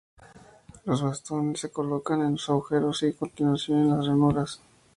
Los bastones se colocan en los agujeros y, a continuación en las ranuras.